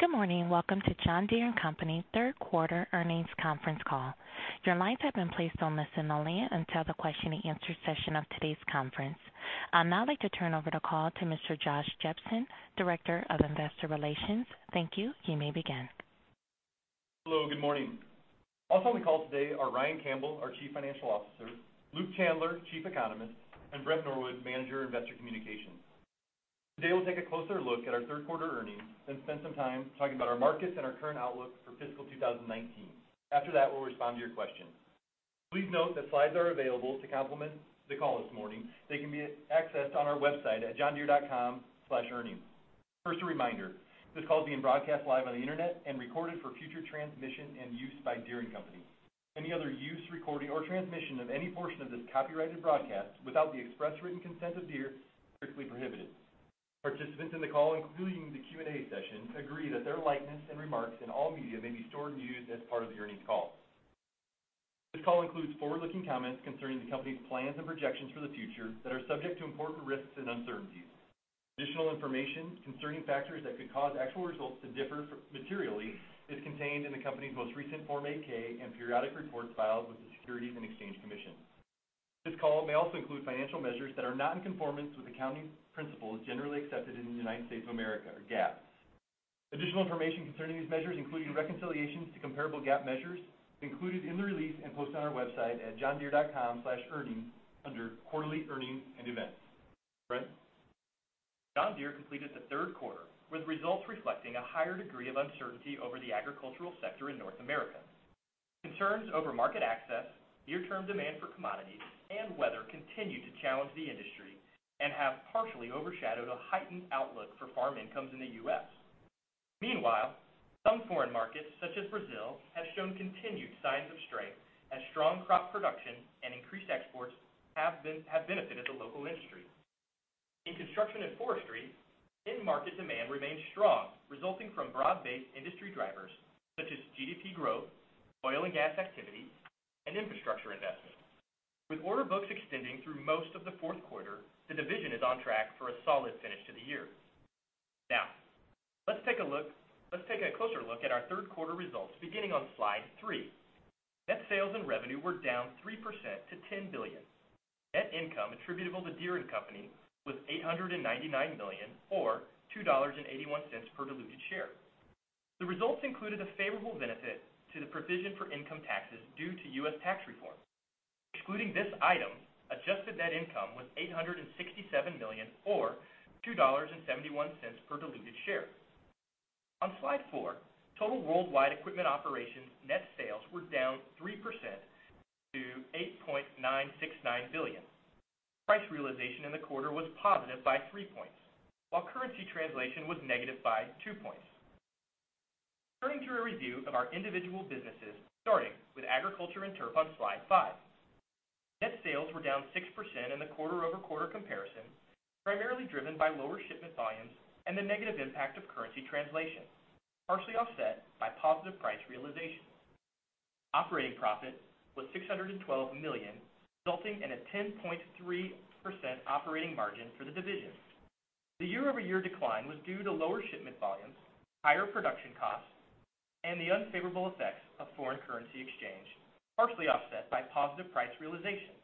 Good morning. Welcome to John Deere & Company third quarter earnings conference call. Your lines have been placed on listen-only until the question-and-answer session of today's conference. I'd now like to turn over the call to Mr. Josh Jepsen, Director of Investor Relations. Thank you. You may begin. Hello, good morning. Also on the call today are Ryan Campbell, our Chief Financial Officer, Luke Chandler, Chief Economist, and Brent Norwood, Manager, Investor Communications. Today we'll take a closer look at our third quarter earnings, then spend some time talking about our markets and our current outlook for fiscal 2019. After that, we'll respond to your questions. Please note that slides are available to complement the call this morning. They can be accessed on our website at johndeere.com/earnings. First, a reminder, this call is being broadcast live on the internet and recorded for future transmission and use by Deere & Company. Any other use, recording, or transmission of any portion of this copyrighted broadcast without the express written consent of Deere is strictly prohibited. Participants in the call, including the Q&A session, agree that their likeness and remarks in all media may be stored and used as part of the earnings call. This call includes forward-looking comments concerning the company's plans and projections for the future that are subject to important risks and uncertainties. Additional information concerning factors that could cause actual results to differ materially is contained in the company's most recent Form 8-K and periodic reports filed with the Securities and Exchange Commission. This call may also include financial measures that are not in conformance with accounting principles generally accepted in the United States of America, or GAAP. Additional information concerning these measures, including reconciliations to comparable GAAP measures, included in the release and posted on our website at johndeere.com/earnings under Quarterly Earnings and Events. Brent? John Deere completed the third quarter with results reflecting a higher degree of uncertainty over the agricultural sector in North America. Concerns over market access, near-term demand for commodities, and weather continue to challenge the industry and have partially overshadowed a heightened outlook for farm incomes in the U.S. Meanwhile, some foreign markets, such as Brazil, have shown continued signs of strength as strong crop production and increased exports have benefited the local industry. In Construction & Forestry, end market demand remains strong, resulting from broad-based industry drivers such as GDP growth, oil and gas activity, and infrastructure investment. With order books extending through most of the fourth quarter, the division is on track for a solid finish to the year. Now, let's take a closer look at our third quarter results beginning on slide three. Net sales and revenue were down 3% to $10 billion. Net income attributable to Deere & Company was $899 million or $2.81 per diluted share. The results included a favorable benefit to the provision for income taxes due to U.S. tax reform. Excluding this item, adjusted net income was $867 million, or $2.71 per diluted share. On slide four, total worldwide equipment operations net sales were down 3% to $8.969 billion. Price realization in the quarter was positive by three points, while currency translation was negative by two points. Turning to a review of our individual businesses, starting with Agriculture and Turf on Slide five. Net sales were down 6% in the quarter-over-quarter comparison, primarily driven by lower shipment volumes and the negative impact of currency translation, partially offset by positive price realization. Operating profit was $612 million, resulting in a 10.3% operating margin for the division. The year-over-year decline was due to lower shipment volumes, higher production costs, and the unfavorable effects of foreign currency exchange, partially offset by positive price realization.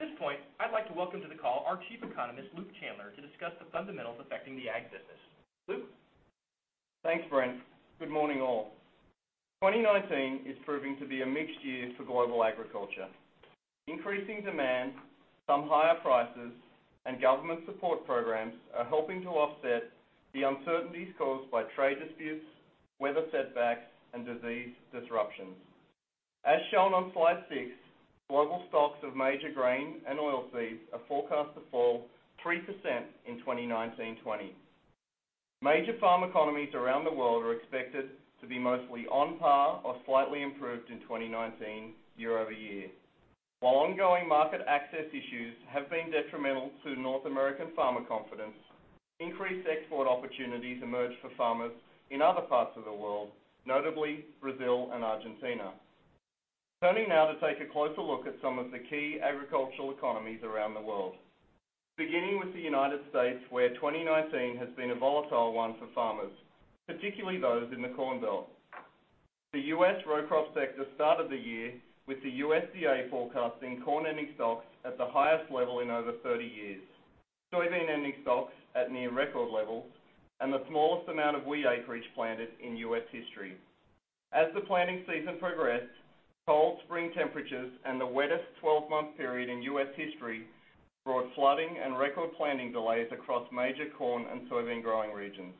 At this point, I'd like to welcome to the call our Chief Economist, Luke Chandler, to discuss the fundamentals affecting the ag business. Luke? Thanks, Brent. Good morning, all. 2019 is proving to be a mixed year for global agriculture. Increasing demand, some higher prices, and government support programs are helping to offset the uncertainties caused by trade disputes, weather setbacks, and disease disruptions. As shown on slide six, global stocks of major grain and oil seeds are forecast to fall 3% in 2019/20. Major farm economies around the world are expected to be mostly on par or slightly improved in 2019 year-over-year. While ongoing market access issues have been detrimental to North American farmer confidence, increased export opportunities emerge for farmers in other parts of the world, notably Brazil and Argentina. Turning now to take a closer look at some of the key agricultural economies around the world. Beginning with the United States, where 2019 has been a volatile one for farmers, particularly those in the Corn Belt. The U.S. row crop sector started the year with the USDA forecasting corn ending stocks at the highest level in over 30 years, soybean ending stocks at near record levels, and the smallest amount of wheat acreage planted in U.S. history. As the planting season progressed, cold spring temperatures and the wettest 12-month period in U.S. history brought flooding and record planting delays across major corn and soybean growing regions.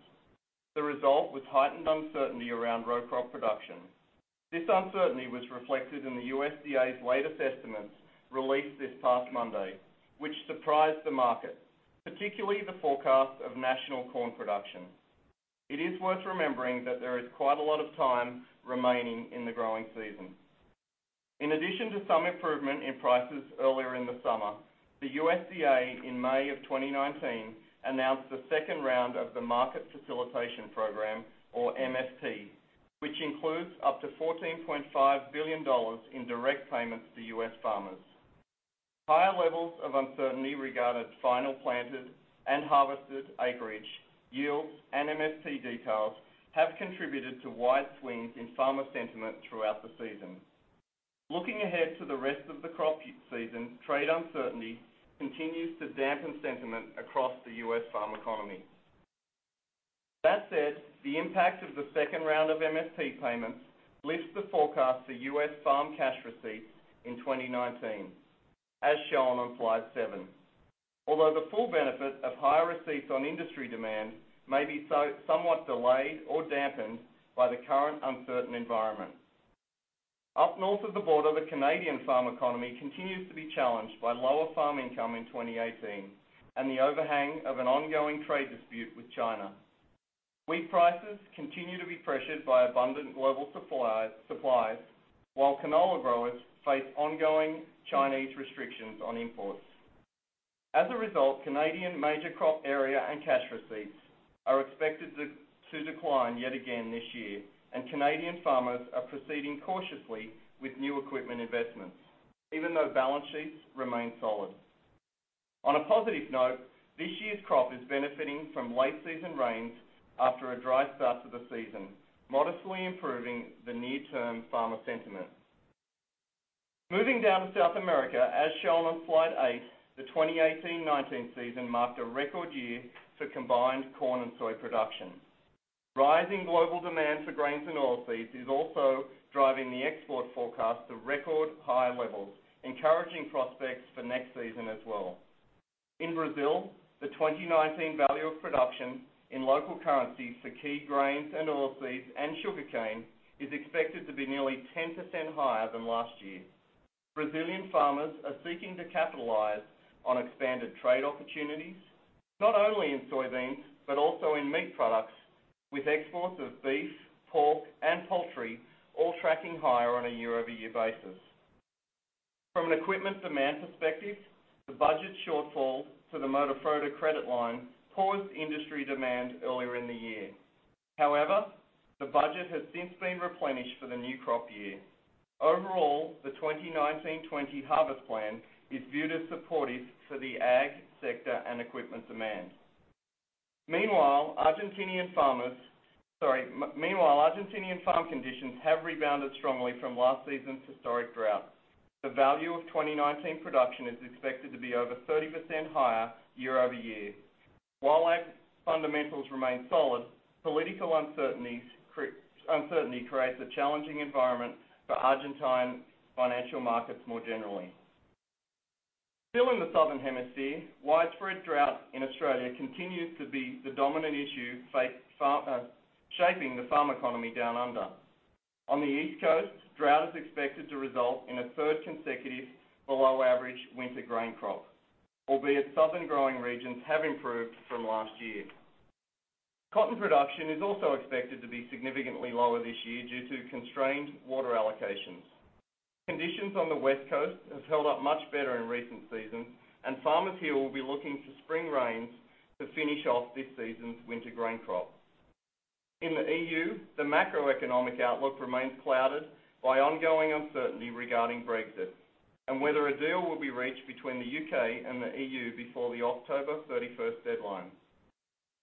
The result was heightened uncertainty around row crop production. This uncertainty was reflected in the USDA's latest estimates released this past Monday, which surprised the market, particularly the forecast of national corn production. It is worth remembering that there is quite a lot of time remaining in the growing season. In addition to some improvement in prices earlier in the summer, the USDA in May of 2019 announced the second round of the Market Facilitation Program, or MFP, which includes up to $14.5 billion in direct payments to U.S. farmers. Higher levels of uncertainty regarding final planted and harvested acreage, yields, and MFP details have contributed to wide swings in farmer sentiment throughout the season. Looking ahead to the rest of the crop season, trade uncertainty continues to dampen sentiment across the U.S. farm economy. That said, the impact of the second round of MFP payments lifts the forecast for U.S. farm cash receipts in 2019, as shown on slide seven. Although the full benefit of higher receipts on industry demand may be somewhat delayed or dampened by the current uncertain environment. Up north of the border, the Canadian farm economy continues to be challenged by lower farm income in 2018 and the overhang of an ongoing trade dispute with China. Wheat prices continue to be pressured by abundant global supplies, while canola growers face ongoing Chinese restrictions on imports. As a result, Canadian major crop area and cash receipts are expected to decline yet again this year, and Canadian farmers are proceeding cautiously with new equipment investments, even though balance sheets remain solid. On a positive note, this year's crop is benefiting from late season rains after a dry start to the season, modestly improving the near-term farmer sentiment. Moving down to South America, as shown on slide eight, the 2018-19 season marked a record year for combined corn and soy production. Rising global demand for grains and oilseeds is also driving the export forecast to record high levels, encouraging prospects for next season as well. In Brazil, the 2019 value of production in local currency for key grains and oilseeds and sugarcane is expected to be nearly 10% higher than last year. Brazilian farmers are seeking to capitalize on expanded trade opportunities, not only in soybeans, but also in meat products, with exports of beef, pork, and poultry all tracking higher on a year-over-year basis. From an equipment demand perspective, the budget shortfall to the Moderfrota credit line paused industry demand earlier in the year. The budget has since been replenished for the new crop year. The 2019-20 harvest plan is viewed as supportive for the ag sector and equipment demand. Argentinian farm conditions have rebounded strongly from last season's historic drought. The value of 2019 production is expected to be over 30% higher year-over-year. While ag fundamentals remain solid, political uncertainty creates a challenging environment for Argentine financial markets more generally. Still in the Southern Hemisphere, widespread drought in Australia continues to be the dominant issue shaping the farm economy Down Under. On the East Coast, drought is expected to result in a third consecutive below-average winter grain crop, albeit southern growing regions have improved from last year. Cotton production is also expected to be significantly lower this year due to constrained water allocations. Conditions on the West Coast have held up much better in recent seasons, and farmers here will be looking to spring rains to finish off this season's winter grain crops. In the EU, the macroeconomic outlook remains clouded by ongoing uncertainty regarding Brexit and whether a deal will be reached between the U.K. and the EU before the October 31st deadline.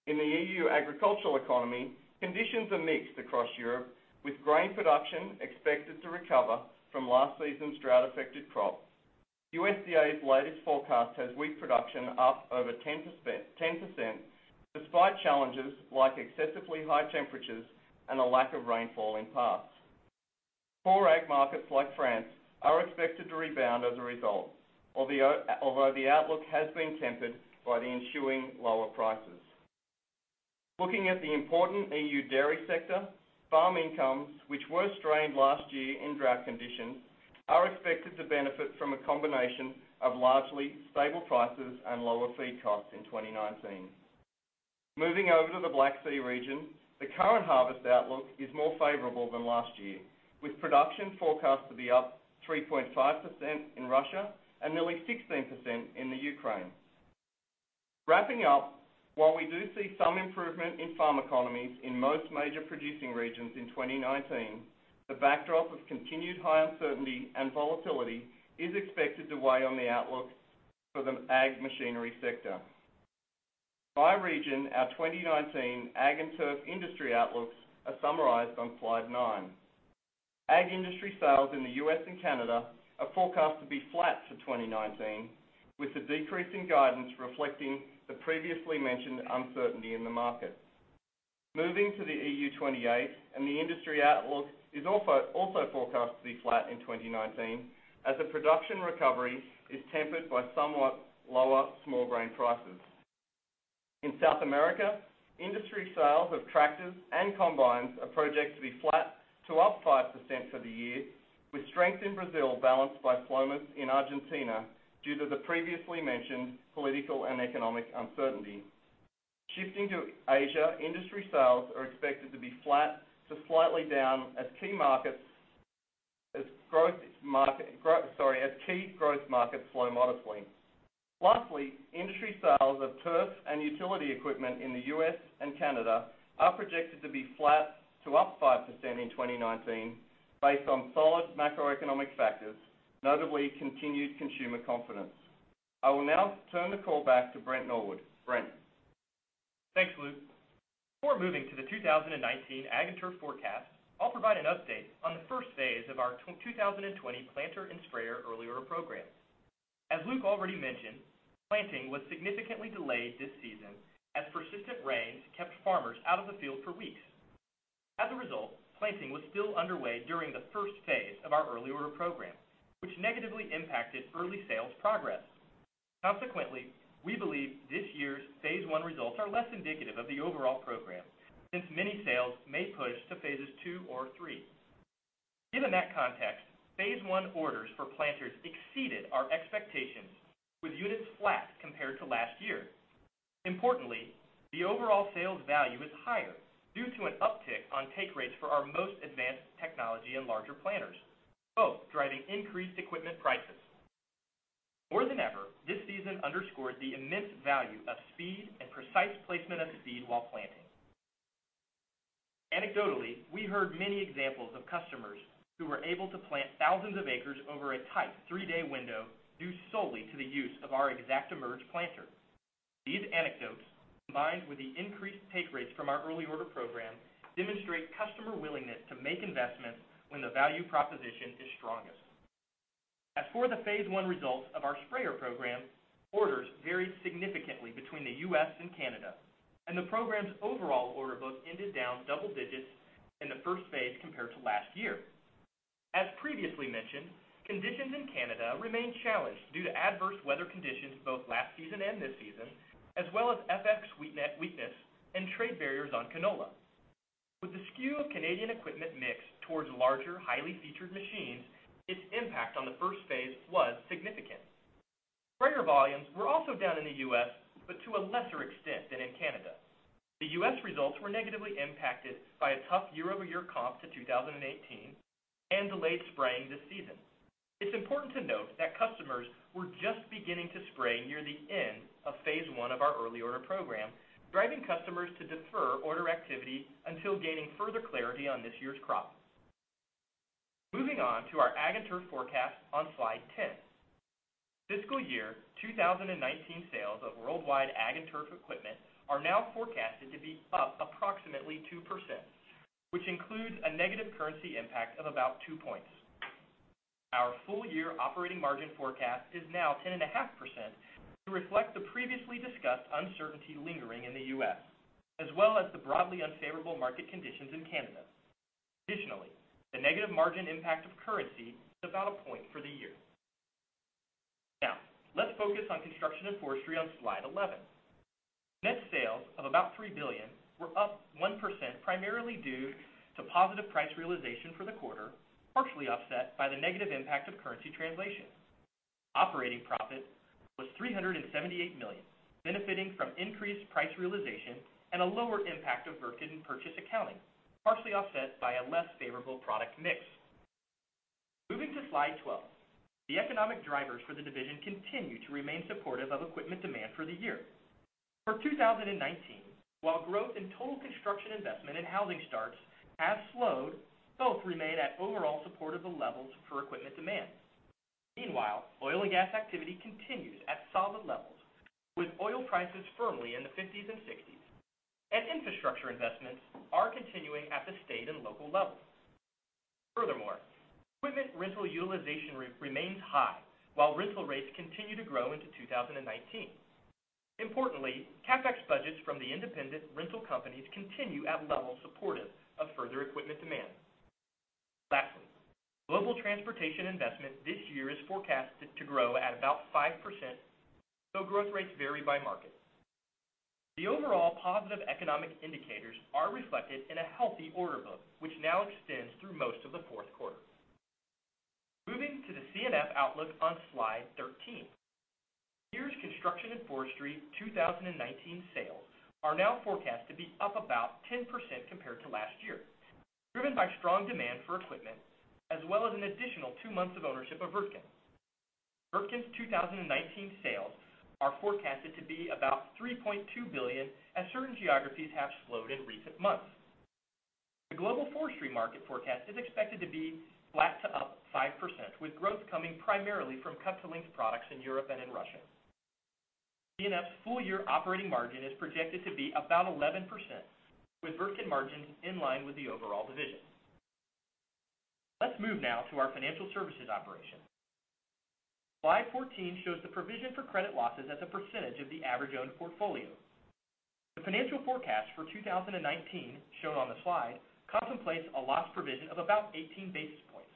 In the EU agricultural economy, conditions are mixed across Europe, with grain production expected to recover from last season's drought-affected crops. USDA's latest forecast has wheat production up over 10%, despite challenges like excessively high temperatures and a lack of rainfall in parts. Poor Ag markets like France are expected to rebound as a result, although the outlook has been tempered by the ensuing lower prices. Looking at the important EU dairy sector, farm incomes, which were strained last year in drought conditions, are expected to benefit from a combination of largely stable prices and lower feed costs in 2019. Moving over to the Black Sea region, the current harvest outlook is more favorable than last year, with production forecast to be up 3.5% in Russia and nearly 16% in the Ukraine. Wrapping up, while we do see some improvement in farm economies in most major producing regions in 2019, the backdrop of continued high uncertainty and volatility is expected to weigh on the outlooks for the ag machinery sector. By region, our 2019 Ag and Turf industry outlooks are summarized on slide nine. Ag industry sales in the U.S. and Canada are forecast to be flat for 2019, with the decrease in guidance reflecting the previously mentioned uncertainty in the markets. Moving to the EU 28, the industry outlook is also forecast to be flat in 2019, as the production recovery is tempered by somewhat lower small grain prices. In South America, industry sales of tractors and combines are projected to be flat to up 5% for the year, with strength in Brazil balanced by slowness in Argentina due to the previously mentioned political and economic uncertainty. Shifting to Asia, industry sales are expected to be flat to slightly down, as key growth markets slow modestly. Lastly, industry sales of turf and utility equipment in the U.S. and Canada are projected to be flat to up 5% in 2019 based on solid macroeconomic factors, notably continued consumer confidence. I will now turn the call back to Brent Norwood. Brent? Thanks, Luke. Before moving to the 2019 Ag and Turf forecast, I'll provide an update on the first phase of our 2020 planter and sprayer early order program. As Luke already mentioned, planting was significantly delayed this season as persistent rains kept farmers out of the field for weeks. Planting was still underway during the first phase of our early order program, which negatively impacted early sales progress. We believe this year's phase 1 results are less indicative of the overall program, since many sales may push to phases 2 or 3. Given that context, phase 1 orders for planters exceeded our expectations with units flat compared to last year. Importantly, the overall sales value is higher due to an uptick on take rates for our most advanced technology and larger planters, both driving increased equipment prices. More than ever, this season underscored the immense value of speed and precise placement of the seed while planting. Anecdotally, we heard many examples of customers who were able to plant thousands of acres over a tight three-day window due solely to the use of our ExactEmerge planter. These anecdotes, combined with the increased take rates from our early order program, demonstrate customer willingness to make investments when the value proposition is strongest. As for the phase one results of our sprayer program, orders varied significantly between the U.S. and Canada, and the program's overall order book ended down double digits in the first phase compared to last year. As previously mentioned, conditions in Canada remain challenged due to adverse weather conditions both last season and this season, as well as FX weakness and trade barriers on canola. With the skew of Canadian equipment mix towards larger, highly featured machines, its impact on the first phase was significant. Sprayer volumes were also down in the U.S., but to a lesser extent than in Canada. The U.S. results were negatively impacted by a tough year-over-year comp to 2018 and delayed spraying this season. It's important to note that customers were just beginning to spray near the end of phase 1 of our early order program, driving customers to defer order activity until gaining further clarity on this year's crops. Moving on to our Ag and Turf forecast on slide 10. Fiscal year 2019 sales of worldwide Ag and Turf equipment are now forecasted to be up approximately 2%, which includes a negative currency impact of about two points. Our full-year operating margin forecast is now 10.5% to reflect the previously discussed uncertainty lingering in the U.S., as well as the broadly unfavorable market conditions in Canada. Additionally, the negative margin impact of currency is about a point for the year. Let's focus on Construction & Forestry on slide 11. Net sales of about $3 billion were up 1%, primarily due to positive price realization for the quarter, partially offset by the negative impact of currency translation. Operating profit was $378 million, benefiting from increased price realization and a lower impact of Wirtgen purchase accounting, partially offset by a less favorable product mix. Moving to slide 12. The economic drivers for the division continue to remain supportive of equipment demand for the year. For 2019, while growth in total construction investment and housing starts have slowed, both remain at overall supportive levels for equipment demand. Meanwhile, oil and gas activity continues at solid levels, with oil prices firmly in the 50s and 60s. Infrastructure investments are continuing at the state and local levels. Furthermore, equipment rental utilization remains high while rental rates continue to grow into 2019. Importantly, CapEx budgets from the independent rental companies continue at levels supportive of further equipment demand. Lastly, global transportation investment this year is forecasted to grow at about 5%, though growth rates vary by market. The overall positive economic indicators are reflected in a healthy order book, which now extends through most of the fourth quarter. Moving to the C&F outlook on slide 13. Deere's Construction & Forestry 2019 sales are now forecast to be up about 10% compared to last year, driven by strong demand for equipment, as well as an additional two months of ownership of Wirtgen. Wirtgen's 2019 sales are forecasted to be about $3.2 billion as certain geographies have slowed in recent months. The global forestry market forecast is expected to be flat to up 5%, with growth coming primarily from cut-to-length products in Europe and in Russia. C&F's full-year operating margin is projected to be about 11%, with Wirtgen margin in line with the overall division. Let's move now to our financial services operation. Slide 14 shows the provision for credit losses as a percentage of the average owned portfolio. The financial forecast for 2019, shown on the slide, contemplates a loss provision of about 18 basis points.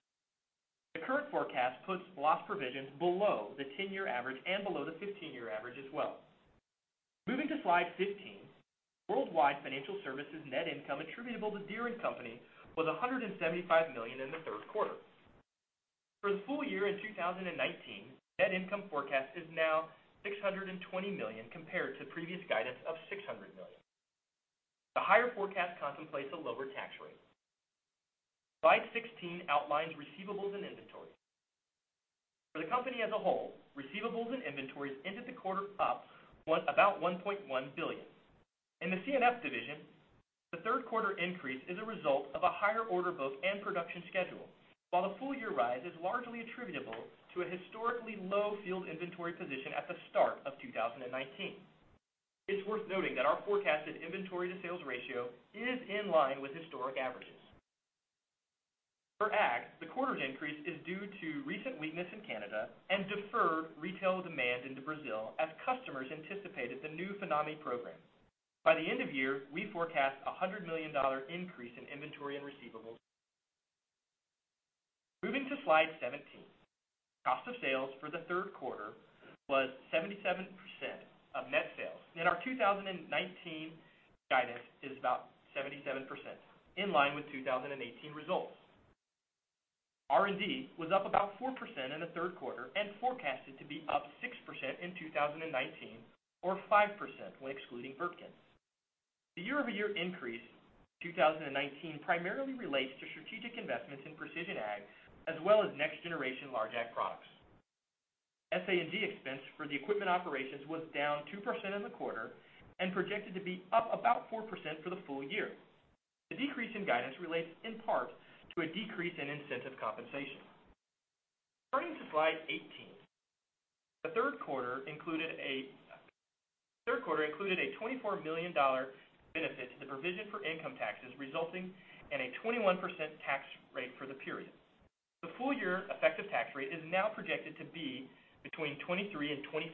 The current forecast puts loss provisions below the 10-year average and below the 15-year average as well. Moving to Slide 15. Worldwide financial services net income attributable to Deere & Company was $175 million in the third quarter. For the full year in 2019, net income forecast is now $620 million compared to previous guidance of $600 million. The higher forecast contemplates a lower tax rate. Slide 16 outlines receivables and inventory. For the company as a whole, receivables and inventories ended the quarter up about $1.1 billion. In the C&F division, the third quarter increase is a result of a higher order book and production schedule, while the full-year rise is largely attributable to a historically low field inventory position at the start of 2019. It's worth noting that our forecasted inventory to sales ratio is in line with historic averages. For Ag, the quarter's increase is due to recent weakness in Canada and deferred retail demand into Brazil as customers anticipated the new Finame program. By the end of year, we forecast $100 million increase in inventory and receivables. Moving to slide 17. Cost of sales for the third quarter was 77% of net sales, and our 2019 guidance is about 77%, in line with 2018 results. R&D was up about 4% in the third quarter and forecasted to be up 6% in 2019, or 5% when excluding Wirtgen. The year-over-year increase in 2019 primarily relates to strategic investments in Precision Ag, as well as next-generation large Ag products. SG&A expense for the equipment operations was down 2% in the quarter and projected to be up about 4% for the full year. The decrease in guidance relates in part to a decrease in incentive compensation. Turning to slide 18, the third quarter included a $24 million benefit to the provision for income taxes, resulting in a 21% tax rate for the period. The full year effective tax rate is now projected to be between 23% and 25%.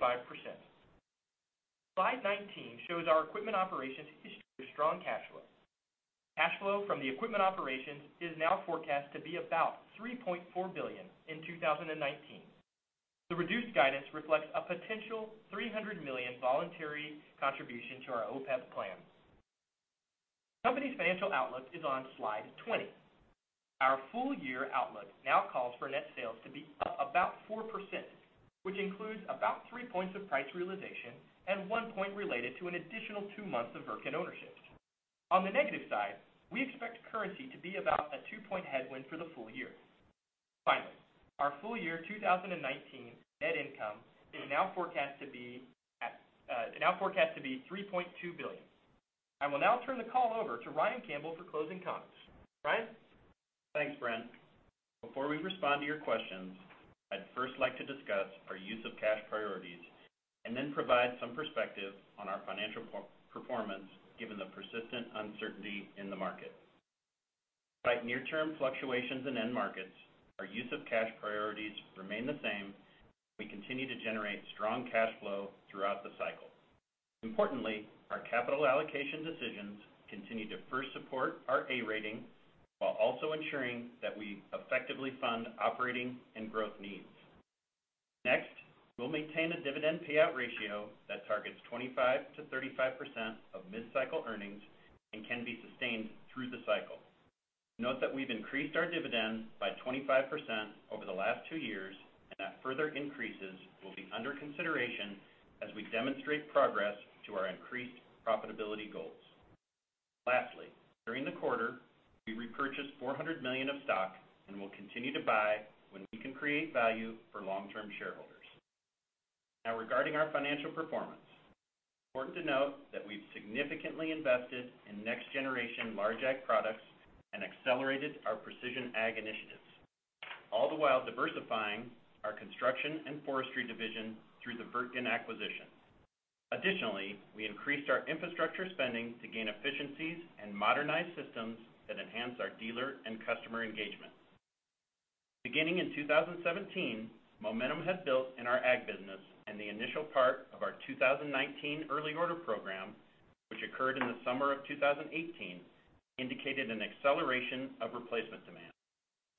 Slide 19 shows our equipment operations history of strong cash flow. Cash flow from the equipment operations is now forecast to be about $3.4 billion in 2019. The reduced guidance reflects a potential $300 million voluntary contribution to our OPEB plan. The company's financial outlook is on slide 20. Our full year outlook now calls for net sales to be up about 4%, which includes about three points of price realization and one point related to an additional two months of Wirtgen ownership. On the negative side, we expect currency to be about a two-point headwind for the full year. Finally, our full year 2019 net income is now forecast to be $3.2 billion. I will now turn the call over to Ryan Campbell for closing comments. Ryan? Thanks, Brent. Before we respond to your questions, I'd first like to discuss our use of cash priorities, then provide some perspective on our financial performance given the persistent uncertainty in the market. Despite near-term fluctuations in end markets, our use of cash priorities remain the same as we continue to generate strong cash flow throughout the cycle. Importantly, our capital allocation decisions continue to first support our A rating while also ensuring that we effectively fund operating and growth needs. Next, we'll maintain a dividend payout ratio that targets 25%-35% of mid-cycle earnings and can be sustained through the cycle. Note that we've increased our dividend by 25% over the last two years that further increases will be under consideration as we demonstrate progress to our increased profitability goals. Lastly, during the quarter, we repurchased $400 million of stock and will continue to buy when we can create value for long-term shareholders. Regarding our financial performance. It's important to note that we've significantly invested in next-generation large Ag products and accelerated our Precision Ag initiatives, all the while diversifying our Construction and Forestry division through the Wirtgen acquisition. Additionally, we increased our infrastructure spending to gain efficiencies and modernize systems that enhance our dealer and customer engagement. Beginning in 2017, momentum has built in our Ag business and the initial part of our 2019 early order program, which occurred in the summer of 2018, indicated an acceleration of replacement demand.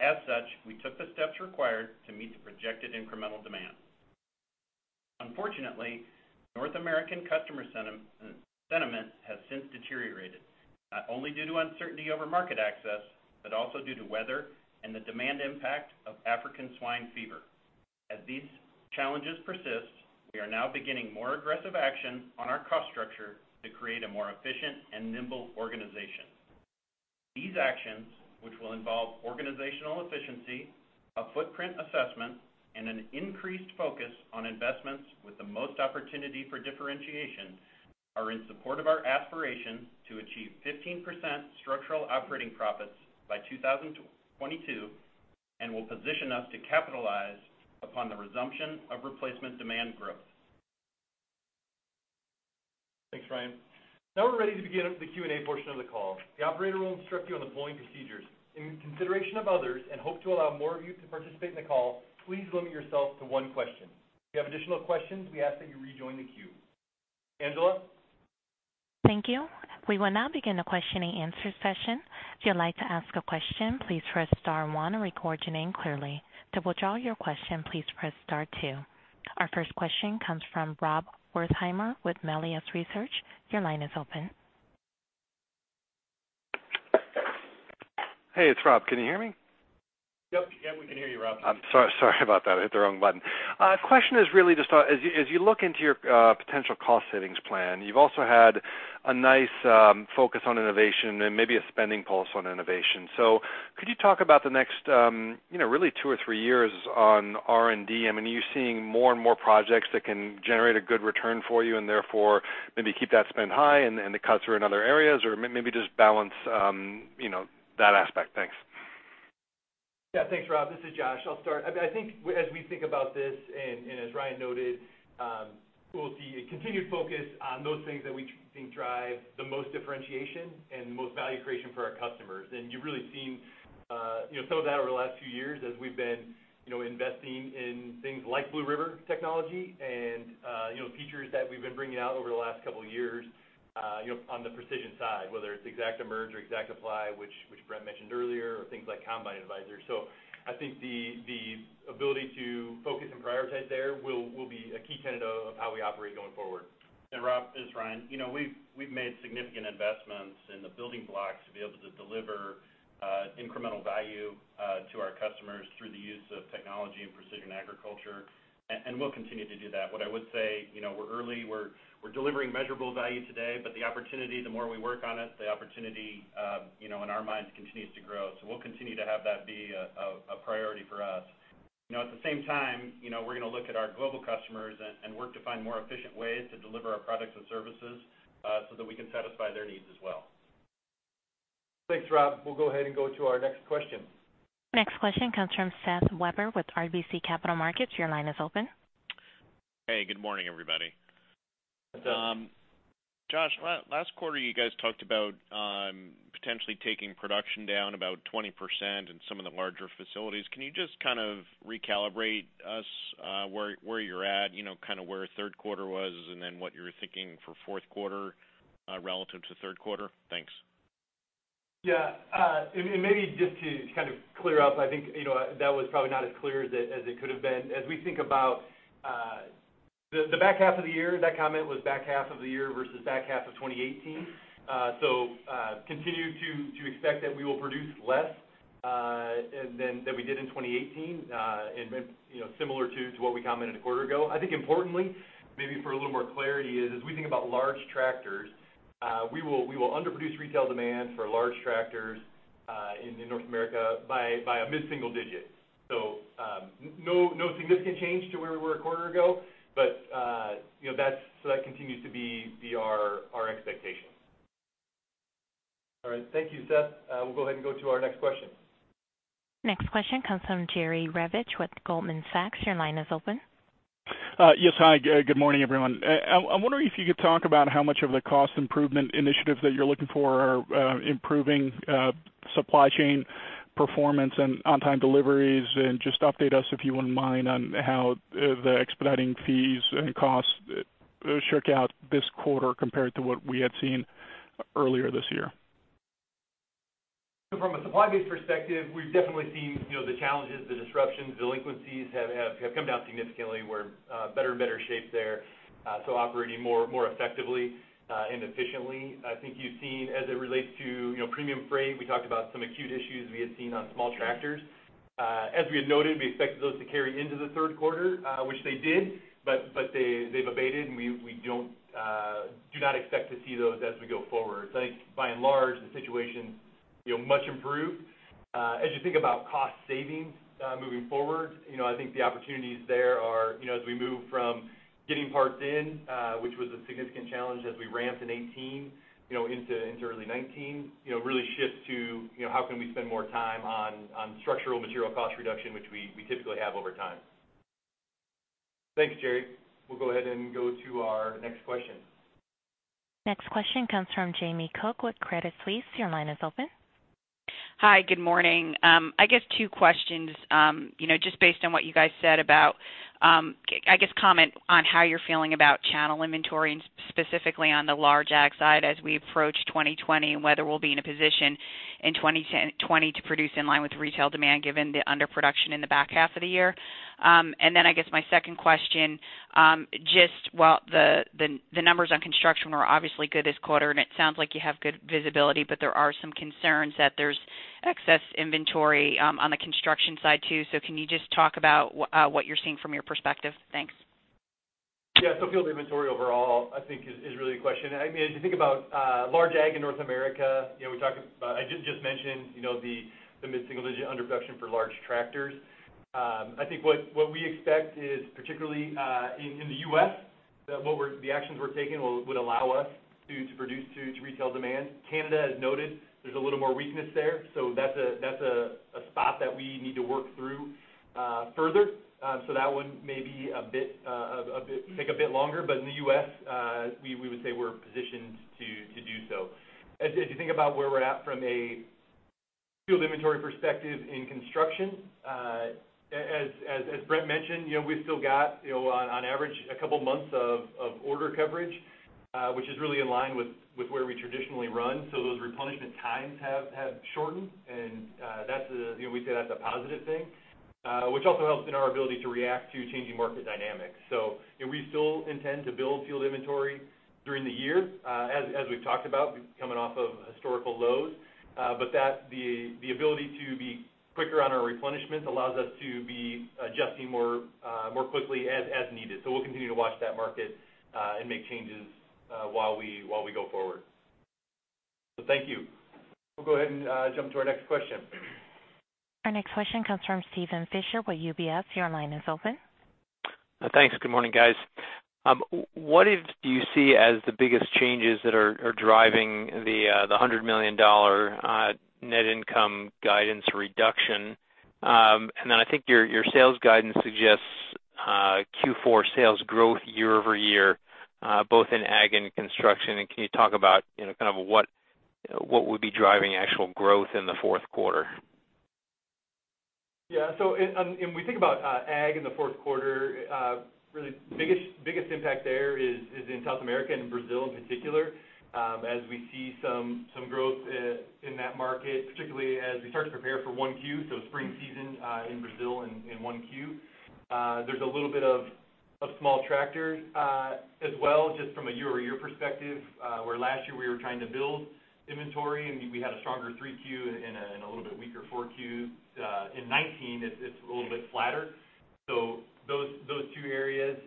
As such, we took the steps required to meet the projected incremental demand. Unfortunately, North American customer sentiment has since deteriorated, not only due to uncertainty over market access, but also due to weather and the demand impact of African swine fever. As these challenges persist, we are now beginning more aggressive action on our cost structure to create a more efficient and nimble organization. These actions, which will involve organizational efficiency, a footprint assessment, and an increased focus on investments with the most opportunity for differentiation, are in support of our aspiration to achieve 15% structural operating profits by 2022 and will position us to capitalize upon the resumption of replacement demand growth. Thanks, Ryan. We're ready to begin the Q&A portion of the call. The operator will instruct you on the polling procedures. In consideration of others and hope to allow more of you to participate in the call, please limit yourself to one question. If you have additional questions, we ask that you rejoin the queue. Angela? Thank you. We will now begin the question-and-answer session. If you'd like to ask a question, please press star one and record your name clearly. To withdraw your question, please press star two. Our first question comes from Rob Wertheimer with Melius Research. Your line is open. Hey, it's Rob. Can you hear me? Yep. Yeah, we can hear you, Rob. I'm sorry about that. I hit the wrong button. Question is really just as you look into your potential cost savings plan, you've also had a nice focus on innovation and maybe a spending pulse on innovation. Could you talk about the next really two or three years on R&D? Are you seeing more and more projects that can generate a good return for you and therefore maybe keep that spend high and the cuts are in other areas or maybe just balance that aspect? Thanks. Thanks, Rob. This is Josh. I'll start. As we think about this, as Ryan noted, we'll see a continued focus on those things that we think drive the most differentiation and the most value creation for our customers. You've really seen some of that over the last few years as we've been investing in things like Blue River Technology and features that we've been bringing out over the last couple of years on the precision side, whether it's ExactEmerge or ExactApply, which Brent mentioned earlier, or things like Combine Advisor. The ability to focus and prioritize there will be a key tenet of how we operate going forward. Rob, this is Ryan. We've made significant investments in the building blocks to be able to deliver incremental value to our customers through the use of technology and Precision Agriculture, and we'll continue to do that. What I would say, we're early, we're delivering measurable value today, but the opportunity, the more we work on it, the opportunity in our minds continues to grow. We'll continue to have that be a priority for us. At the same time, we're going to look at our global customers and work to find more efficient ways to deliver our products and services so that we can satisfy their needs as well. Thanks, Rob. We'll go ahead and go to our next question. Next question comes from Seth Weber with RBC Capital Markets. Your line is open. Hey, good morning, everybody. Josh, last quarter you guys talked about potentially taking production down about 20% in some of the larger facilities. Can you just kind of recalibrate us where you're at, kind of where third quarter was and then what you're thinking for fourth quarter relative to third quarter? Thanks. Yeah. Maybe just to kind of clear up, I think that was probably not as clear as it could have been. As we think about the back half of the year, that comment was back half of the year versus back half of 2018. Continue to expect that we will produce less than we did in 2018 and similar to what we commented a quarter ago. I think importantly, maybe for a little more clarity is as we think about large tractors, we will underproduce retail demand for large tractors in North America by a mid-single digit. No significant change to where we were a quarter ago, but that continues to be our expectation. All right. Thank you, Seth. We'll go ahead and go to our next question. Next question comes from Jerry Revich with Goldman Sachs. Your line is open. Yes. Hi, good morning, everyone. I'm wondering if you could talk about how much of the cost improvement initiatives that you're looking for are improving supply chain performance and on-time deliveries, and just update us, if you wouldn't mind, on how the expediting fees and costs shook out this quarter compared to what we had seen earlier this year. From a supply-based perspective, we've definitely seen the challenges, the disruptions, delinquencies have come down significantly. We're in better shape there. Operating more effectively and efficiently. I think you've seen as it relates to premium freight, we talked about some acute issues we had seen on small tractors. As we had noted, we expected those to carry into the third quarter, which they did, but they've abated and we do not expect to see those as we go forward. I think by and large, the situation much improved. As you think about cost savings moving forward, I think the opportunities there are as we move from getting parts in, which was a significant challenge as we ramped in 2018 into early 2019, really shift to how can we spend more time on structural material cost reduction, which we typically have over time. Thanks, Jerry. We'll go ahead and go to our next question. Next question comes from Jamie Cook with Credit Suisse. Your line is open. Hi. Good morning. I guess two questions. Just based on what you guys said about, I guess, comment on how you're feeling about channel inventory and specifically on the large ag side as we approach 2020 and whether we'll be in a position in 2020 to produce in line with retail demand given the underproduction in the back half of the year. I guess my second question, just the numbers on construction were obviously good this quarter and it sounds like you have good visibility, but there are some concerns that there's excess inventory on the construction side too. Can you just talk about what you're seeing from your perspective? Thanks. Yeah. Field inventory overall I think is really the question. As you think about large ag in North America, I just mentioned the mid-single digit underproduction for large tractors. I think what we expect is particularly in the U.S. that the actions we're taking would allow us to produce to retail demand. Canada has noted there's a little more weakness there. That's a spot that we need to work through further. That one may take a bit longer, but in the U.S. we would say we're positioned to do so. As you think about where we're at from a field inventory perspective in construction, as Brent mentioned, we've still got on average a couple of months of order coverage, which is really in line with where we traditionally run. Those replenishment times have shortened and we say that's a positive thing. Which also helps in our ability to react to changing market dynamics. We still intend to build field inventory during the year. As we've talked about, we're coming off of historical lows, but the ability to be quicker on our replenishment allows us to be adjusting more quickly as needed. We'll continue to watch that market and make changes while we go forward. Thank you. We'll go ahead and jump to our next question. Our next question comes from Steven Fisher with UBS. Your line is open. Thanks. Good morning, guys. What do you see as the biggest changes that are driving the $100 million net income guidance reduction? I think your sales guidance suggests Q4 sales growth year-over-year, both in ag and construction. Can you talk about kind of what would be driving actual growth in the fourth quarter? When we think about Ag in the fourth quarter, really the biggest impact there is in South America and Brazil in particular, as we see some growth in that market, particularly as we start to prepare for 1Q, so spring season in Brazil in 1Q. There's a little bit of small tractors as well, just from a year-over-year perspective, where last year we were trying to build inventory, and we had a stronger 3Q and a little bit weaker 4Q. In 2019, it's a little bit flatter. Those two areas.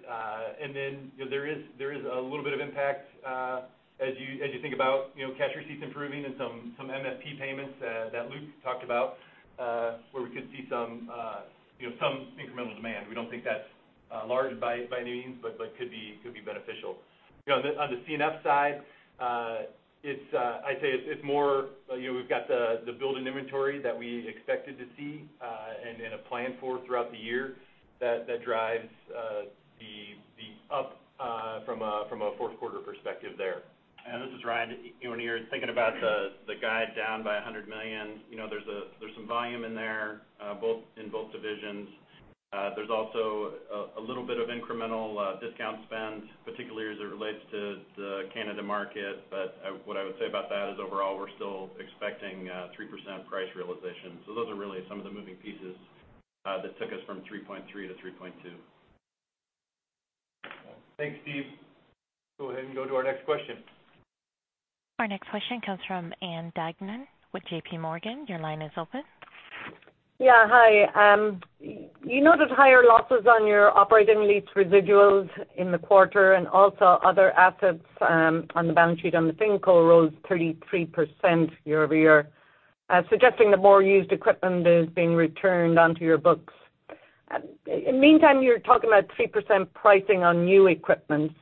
There is a little bit of impact as you think about cash receipts improving and some MFP payments that Luke talked about, where we could see some incremental demand. We don't think that's large by any means, could be beneficial. On the C&F side, I'd say it's more we've got the build in inventory that we expected to see and then have planned for throughout the year that drives the up from a fourth quarter perspective there. This is Ryan. When you're thinking about the guide down by $100 million, there's some volume in there in both divisions. There's also a little bit of incremental discount spend, particularly as it relates to the Canada market. What I would say about that is overall, we're still expecting 3% price realization. Those are really some of the moving pieces that took us from 3.3%-3.2%. Thanks, Steve. Go ahead and go to our next question. Our next question comes from Ann Duignan with JPMorgan. Your line is open. Yeah. Hi. You noted higher losses on your operating lease residuals in the quarter, also other assets on the balance sheet on the same call rose 33% year-over-year, suggesting that more used equipment is being returned onto your books. In the meantime, you're talking about 3% pricing on new equipment.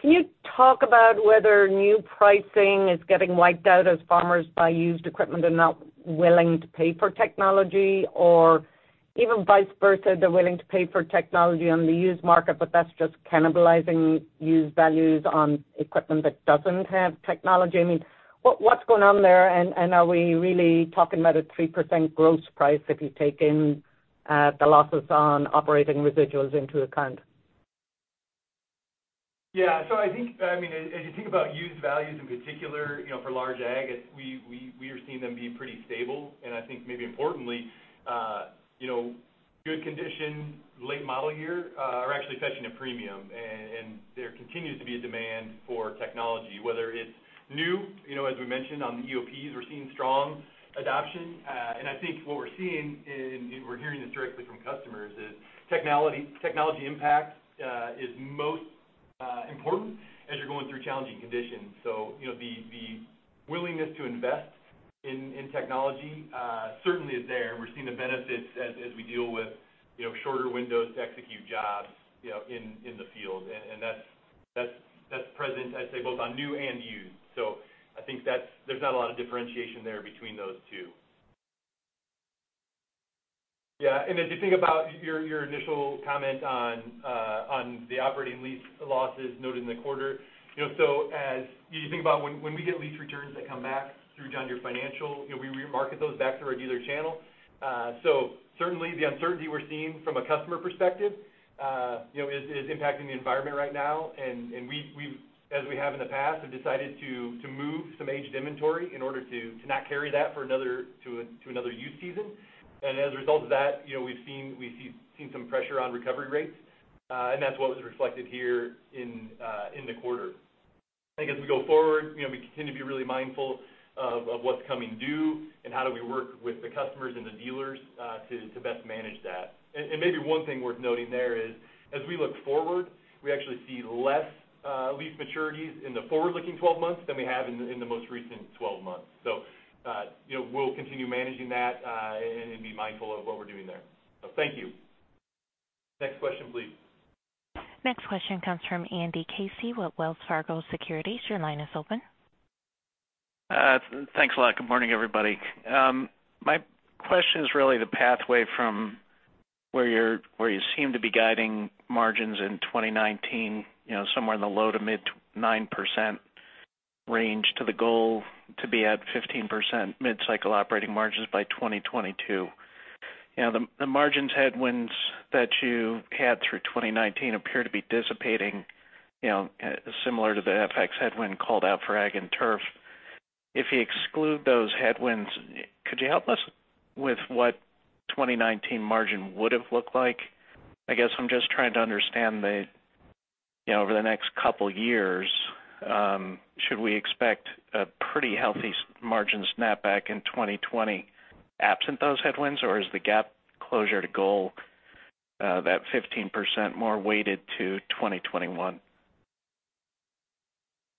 Can you talk about whether new pricing is getting wiped out as farmers buy used equipment and not willing to pay for technology? Even vice versa, they're willing to pay for technology on the used market, that's just cannibalizing used values on equipment that doesn't have technology. I mean, what's going on there? Are we really talking about a 3% gross price if you take in the losses on operating residuals into account? I think as you think about used values in particular for large Ag, we are seeing them be pretty stable. I think maybe importantly good condition, late model year are actually fetching a premium, and there continues to be a demand for technology, whether it's new, as we mentioned on the EOPs, we're seeing strong adoption. I think what we're seeing, and we're hearing this directly from customers, is technology impact is most important as you're going through challenging conditions. The willingness to invest in technology certainly is there. We're seeing the benefits as we deal with shorter windows to execute jobs in the field. That's present, I'd say, both on new and used. I think there's not a lot of differentiation there between those two. As you think about your initial comment on the operating lease losses noted in the quarter. As you think about when we get lease returns that come back through John Deere Financial, we market those back through our dealer channel. Certainly the uncertainty we're seeing from a customer perspective is impacting the environment right now. We've, as we have in the past, have decided to move some aged inventory in order to not carry that to another use season. As a result of that, we've seen some pressure on recovery rates. That's what was reflected here in the quarter. I think, as we go forward, we continue to be really mindful of what's coming due and how do we work with the customers and the dealers to best manage that. Maybe one thing worth noting there is as we look forward, we actually see less lease maturities in the forward-looking 12 months than we have in the most recent 12 months. We'll continue managing that and be mindful of what we're doing there. Thank you. Next question, please. Next question comes from Andy Casey with Wells Fargo Securities. Your line is open. Thanks a lot. Good morning, everybody. My question is really the pathway from where you seem to be guiding margins in 2019, somewhere in the low to mid 9% range to the goal to be at 15% mid-cycle operating margins by 2022. The margins headwinds that you had through 2019 appear to be dissipating similar to the FX headwind called out for Agriculture and Turf. If you exclude those headwinds, could you help us with what 2019 margin would've looked like? I guess I'm just trying to understand over the next couple of years, should we expect a pretty healthy margin snapback in 2020 absent those headwinds, or is the gap closure to goal that 15% more weighted to 2021?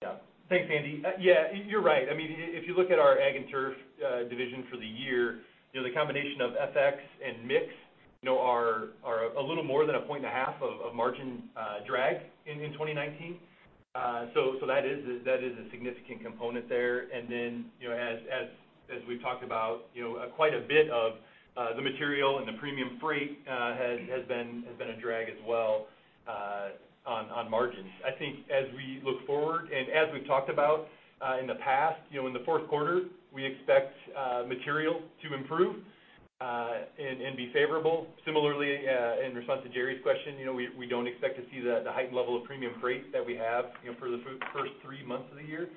Yeah. Thanks, Andy. Yeah, you're right. If you look at our Ag and Turf division for the year, the combination of FX and mix are a little more than a point and a half of margin drag in 2019. That is a significant component there. As we've talked about, quite a bit of the material and the premium freight has been a drag as well on margins. I think as we look forward and as we've talked about in the past, in the fourth quarter, we expect material to improve and be favorable. Similarly, in response to Jerry's question, we don't expect to see the heightened level of premium freight that we have for the first three months of the year.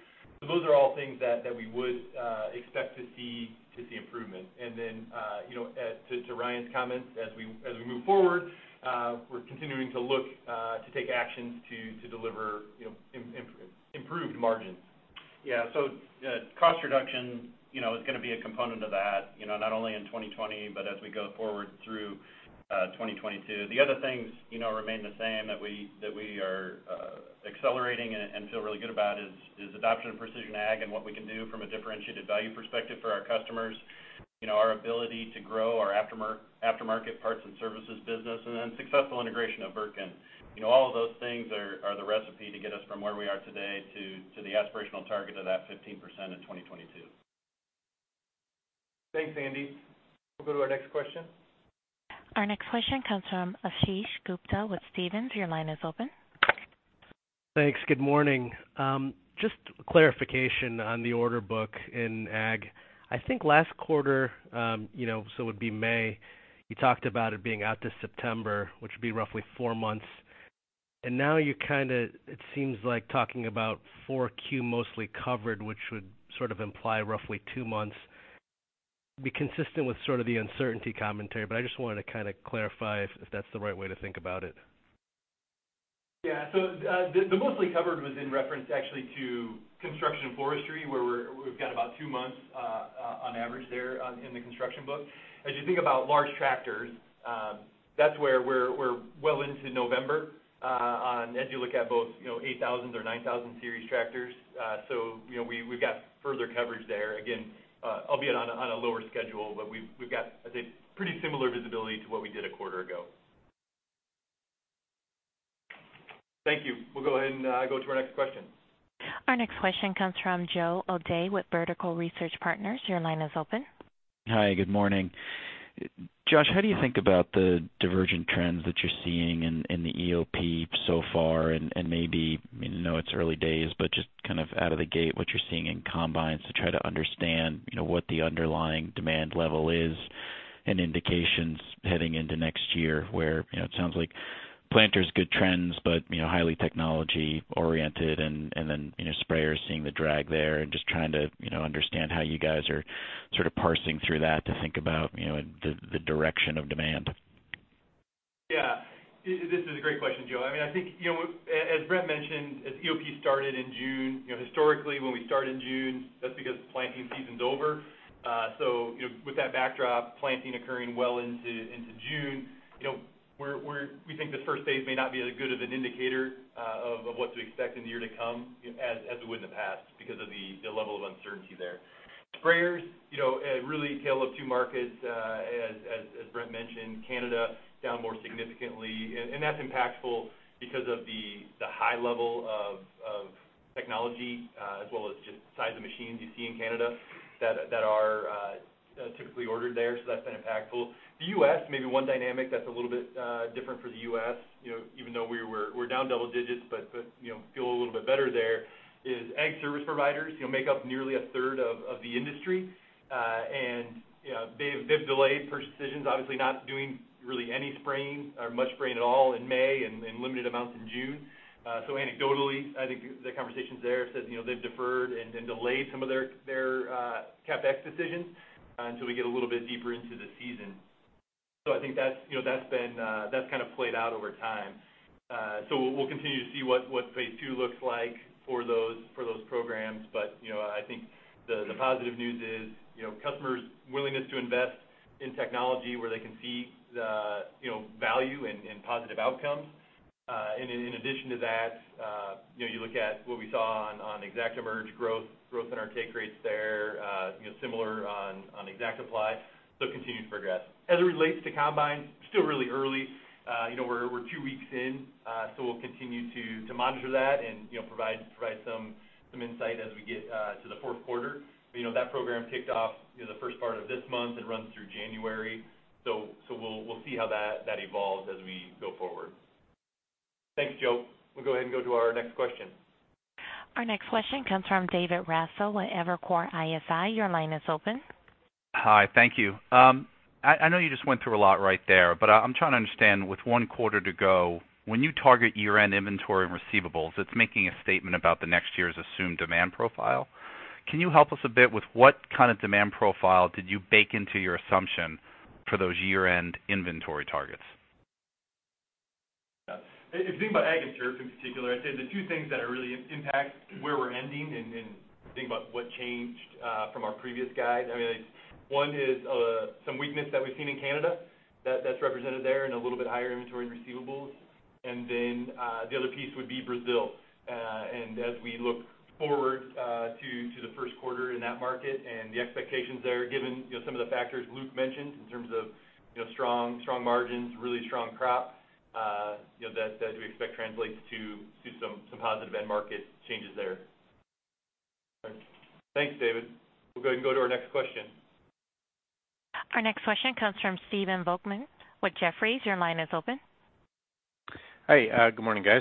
Those are all things that we would expect to see improvement. Then to Ryan's comments, as we move forward, we're continuing to look to take actions to deliver improved margins. Cost reduction is going to be a component of that, not only in 2020, but as we go forward through 2022. The other things remain the same that we are accelerating and feel really good about is adoption of Precision Ag and what we can do from a differentiated value perspective for our customers. Our ability to grow our aftermarket parts and services business, and then successful integration of Wirtgen. All of those things are the recipe to get us from where we are today to the aspirational target of that 15% in 2022. Thanks, Andy. We'll go to our next question. Our next question comes from Ashish Gupta with Stephens. Your line is open. Thanks. Good morning. Just clarification on the order book in Ag. I think last quarter, so it would be May, you talked about it being out to September, which would be roughly four months. Now it seems like talking about 4Q mostly covered, which would sort of imply roughly two months, be consistent with sort of the uncertainty commentary. I just wanted to kind of clarify if that's the right way to think about it. Yeah. The mostly covered was in reference actually to Construction and Forestry, where we've got about two months on average there in the construction book. As you think about large tractors, that's where we're well into November as you look at both 8000 Series or 9000 series tractors. We've got further coverage there. Again, albeit on a lower schedule, but we've got, I'd say, pretty similar visibility to what we did a quarter ago. Thank you. We'll go ahead and go to our next question. Our next question comes from Joe O'Dea with Vertical Research Partners. Your line is open. Hi. Good morning. Josh, how do you think about the divergent trends that you're seeing in the EOP so far, and maybe, I know it's early days, but just kind of out of the gate, what you're seeing in combines to try to understand what the underlying demand level is and indications heading into next year where it sounds like planters, good trends, but highly technology-oriented. And then sprayers, seeing the drag there and just trying to understand how you guys are sort of parsing through that to think about the direction of demand. This is a great question, Joe. I think as Brent mentioned, as EOP started in June, historically when we start in June, that's because the planting season's over. With that backdrop, planting occurring well into June, we think this first phase may not be as good of an indicator of what to expect in the year to come as it would in the past because of the level of uncertainty there. Sprayers really tail up two markets, as Brent mentioned. Canada down more significantly, and that's impactful because of the high level of technology as well as just the size of machines you see in Canada that are typically ordered there. That's been impactful. The U.S., maybe one dynamic that's a little bit different for the U.S., even though we're down double digits but feel a little bit better there, is ag service providers make up nearly a third of the industry. They've delayed purchase decisions, obviously not doing really any spraying or much spraying at all in May and limited amounts in June. Anecdotally, I think the conversations there said they've deferred and delayed some of their CapEx decisions until we get a little bit deeper into the season. I think that's kind of played out over time. We'll continue to see what phase two looks like for those programs. I think the positive news is customers' willingness to invest in technology where they can see value and positive outcomes. In addition to that, you look at what we saw on ExactEmerge growth in our take rates there, similar on ExactApply, so continued progress. As it relates to combines, still really early. We're two weeks in, so we'll continue to monitor that and provide some insight as we get to the fourth quarter. That program kicked off the first part of this month. It runs through January. We'll see how that evolves as we go forward. Thanks, Joe. We'll go ahead and go to our next question. Our next question comes from David Raso with Evercore ISI. Your line is open. Hi, thank you. I know you just went through a lot right there. I'm trying to understand with one quarter to go, when you target year-end inventory and receivables, it's making a statement about the next year's assumed demand profile. Can you help us a bit with what kind of demand profile did you bake into your assumption for those year-end inventory targets? Yeah. If you think about Ag and Turf in particular, I'd say the two things that really impact where we're ending and think about what changed from our previous guide. One is some weakness that we've seen in Canada that's represented there in a little bit higher inventory and receivables. The other piece would be Brazil. As we look forward to the first quarter in that market and the expectations there, given some of the factors Luke mentioned in terms of strong margins, really strong crop that we expect translates to some positive end market changes there. Thanks, David. We'll go ahead and go to our next question. Our next question comes from Stephen Volkmann with Jefferies. Your line is open. Hi, good morning, guys.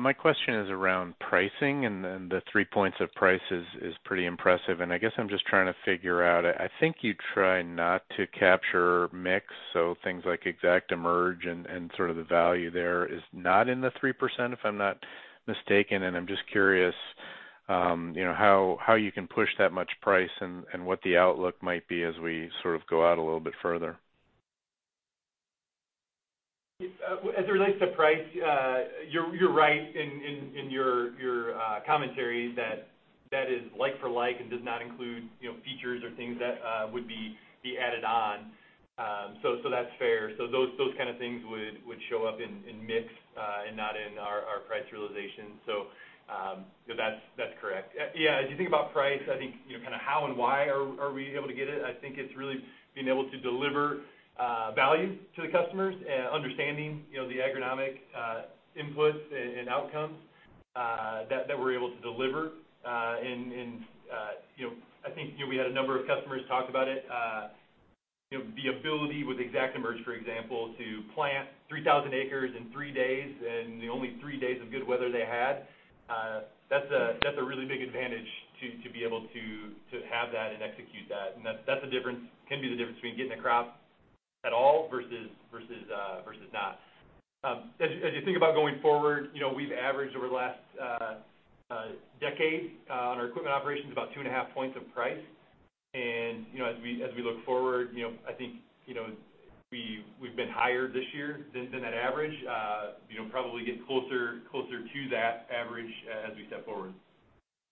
My question is around pricing, and the three points of price is pretty impressive, and I guess I'm just trying to figure out. I think you try not to capture mix, so things like ExactEmerge and sort of the value there is not in the 3%, if I'm not mistaken, and I'm just curious how you can push that much price and what the outlook might be as we sort of go out a little bit further. As it relates to price, you're right in your commentary that that is like for like, and does not include features or things that would be added on. That's fair. Those kind of things would show up in mix and not in our price realization. That's correct. Yeah. As you think about price, I think kind of how and why are we able to get it? I think it's really being able to deliver value to the customers and understanding the agronomic inputs and outcomes that we're able to deliver. I think we had a number of customers talk about it. The ability with ExactEmerge, for example, to plant 3,000 acres in three days in the only three days of good weather they had, that's a really big advantage to be able to have that and execute that. That can be the difference between getting a crop at all versus not. As you think about going forward, we've averaged over the last decade on our equipment operations about two and a half points of price. As we look forward, I think we've been higher this year than that average. Probably get closer to that average as we step forward.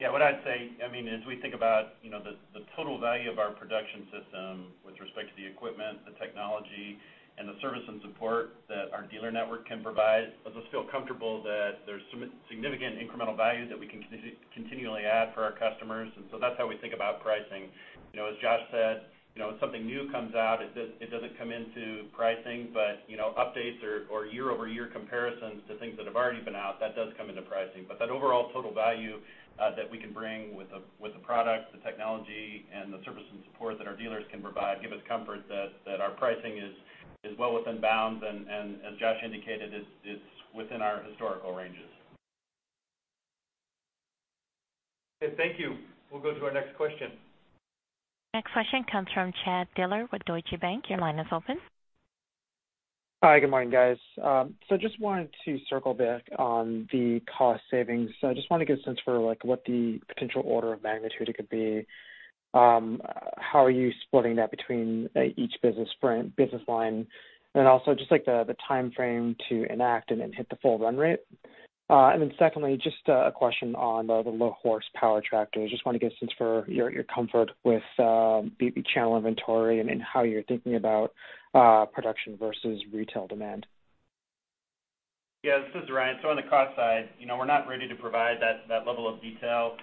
Yeah, what I'd say, as we think about the total value of our production system with respect to the equipment, the technology, and the service and support that our dealer network can provide, let us feel comfortable that there's significant incremental value that we can continually add for our customers. That's how we think about pricing. As Josh said, when something new comes out, it doesn't come into pricing, but updates or year-over-year comparisons to things that have already been out, that does come into pricing. That overall total value that we can bring with the product, the technology, and the service and support that our dealers can provide give us comfort that our pricing is well within bounds. As Josh indicated, it's within our historical ranges. Okay, thank you. We'll go to our next question. Next question comes from Chad Dillard with Deutsche Bank. Your line is open. Hi, good morning, guys. Just wanted to circle back on the cost savings. I just want to get a sense for what the potential order of magnitude it could be. How are you splitting that between each business line? Then also just the timeframe to enact and then hit the full run rate. Then secondly, just a question on the low-horsepower tractors. Just want to get a sense for your comfort with BP channel inventory and how you're thinking about production versus retail demand. Yeah, this is Ryan. On the cost side, we're not ready to provide that level of detail.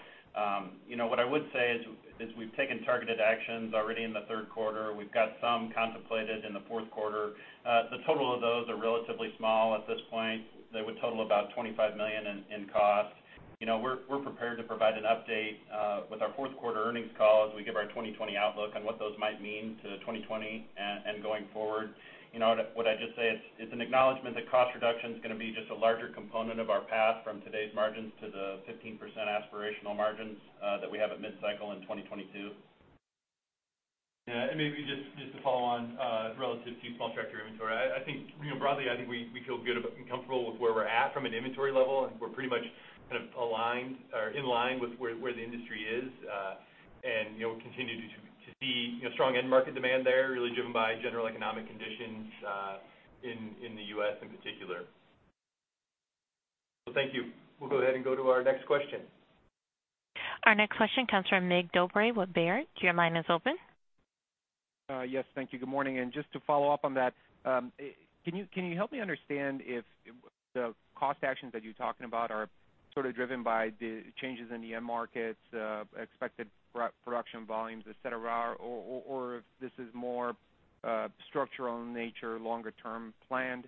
We've got some contemplated in the fourth quarter. The total of those are relatively small at this point. They would total about $25 million in cost. We're prepared to provide an update with our fourth quarter earnings call as we give our 2020 outlook on what those might mean to 2020 and going forward. What I'd just say, it's an acknowledgement that cost reduction is going to be just a larger component of our path from today's margins to the 15% aspirational margins that we have at mid-cycle in 2022. Yeah. Maybe just to follow on relative to small tractor inventory. Broadly, I think we feel good and comfortable with where we're at from an inventory level. We're pretty much kind of aligned or in line with where the industry is. We continue to see strong end market demand there, really driven by general economic conditions in the U.S. in particular. Thank you. We'll go ahead and go to our next question. Our next question comes from Mig Dobre with Baird. Your line is open. Yes, thank you. Good morning. Just to follow up on that, can you help me understand if the cost actions that you're talking about are sort of driven by the changes in the end markets, expected production volumes, et cetera, or if this is more structural in nature, longer term planned?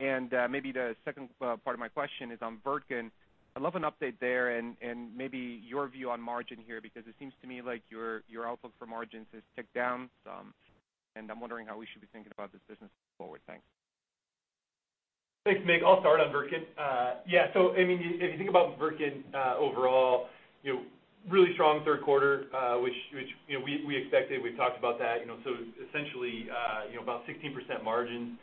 Maybe the second part of my question is on Wirtgen. I'd love an update there and maybe your view on margin here, because it seems to me like your outlook for margins has ticked down some, and I'm wondering how we should be thinking about this business going forward. Thanks. Thanks, Mig. I'll start on Wirtgen. Yeah. If you think about Wirtgen overall, really strong third quarter which we expected. We've talked about that. Essentially, about 16% margin.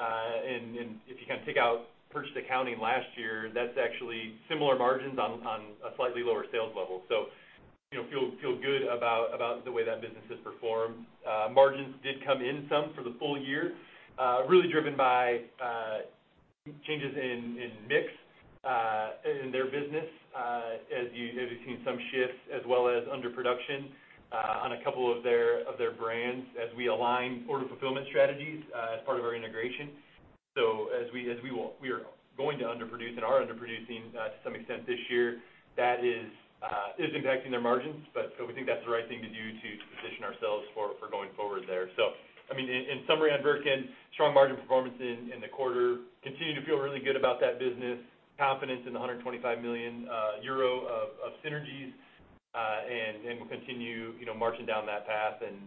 If you take out purchase accounting last year, that's actually similar margins on a slightly lower sales level. Feel good about the way that business has performed. Margins did come in some for the full year really driven by changes in mix in their business as you've seen some shifts as well as underproduction on a couple of their brands as we align order fulfillment strategies as part of our integration. As we are going to underproduce and are underproducing to some extent this year, that is impacting their margins, but we think that's the right thing to do to position ourselves for going forward there. In summary on Wirtgen, strong margin performance in the quarter, continue to feel really good about that business, confidence in the 125 million euro of synergies. We'll continue marching down that path and